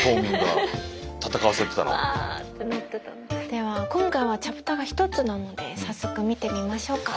では今回はチャプターが１つなので早速見てみましょうか。